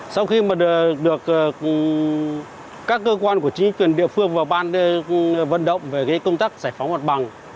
sau khi mà được các cơ quan của chính quyền địa phương và ban vận động về công tác giải phóng mặt bằng